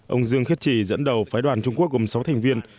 ông dương khiết trì dẫn đầu phái đoàn trung quốc gồm sáu thành viên